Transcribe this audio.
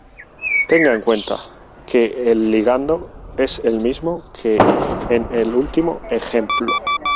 Tenga en cuenta que el ligando es el mismo que en el último ejemplo.